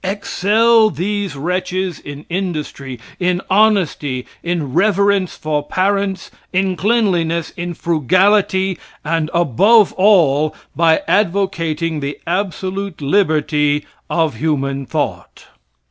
Excel these wretches in industry, in honesty, in reverence for parents, in cleanliness, in frugality, and above all by advocating the absolute liberty of human thought.